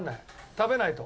食べないと。